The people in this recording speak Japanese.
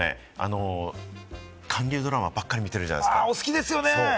僕もね、韓流ドラマばっかり見てるじゃないですか。